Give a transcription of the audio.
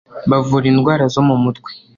bavura indwara zo mu mutwe